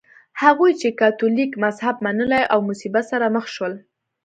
هغوی چې کاتولیک مذهب منلی و مصیبت سره مخ شول.